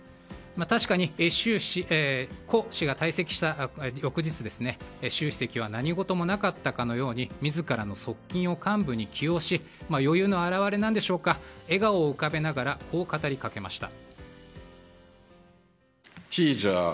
確かに、胡氏が退席した翌日習主席は何事もなかったかのように自らの側近を幹部に起用し余裕の表れなんでしょうか笑顔を浮かべながらこう語りかけました。